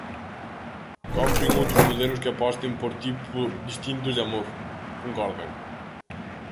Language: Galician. Cómpren outros modelos que aposten por tipo distintos de amor, concordan.